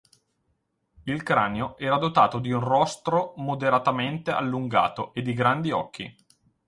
Il cranio era dotato di un rostro moderatamente allungato e di grandi occhi.